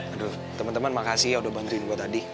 aduh teman teman makasih ya udah bantuin gue tadi